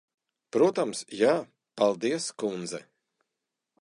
Protams, jā. Paldies, kundze.